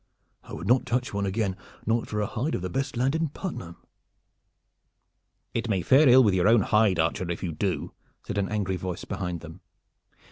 I would not touch one again not for a hide of the best land in Puttenham!" "It may fare ill with your own hide, archer, if you do," said an angry voice behind them.